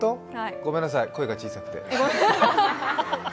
ごめんなさい、声が小さくて。